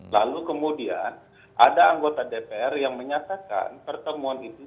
lalu kemudian ada anggota dpr yang menyatakan pertemuan itu